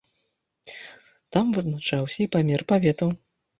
Там вызначаўся і памер паветаў.